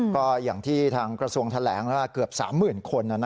ก็อย่างที่ทางกระทรวงแถลงเกือบ๓๐๐๐คน